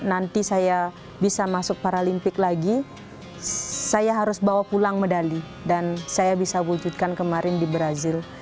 nanti saya bisa masuk paralimpik lagi saya harus bawa pulang medali dan saya bisa wujudkan kemarin di brazil